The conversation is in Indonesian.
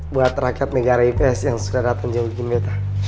buat rakyat mega rai pes yang sudah datang jemputin bete